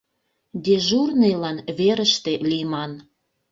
Дежурныйлан верыште лийман.